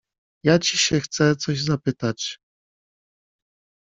— Ja ci się chcę coś zapytać.